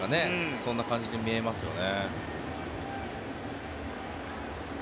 そんな感じに見えますよね。